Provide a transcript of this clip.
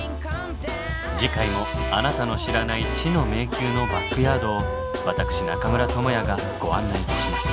次回もあなたの知らない知の迷宮のバックヤードを私中村倫也がご案内いたします。